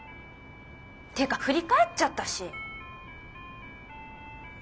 っていうか振り返っちゃったし。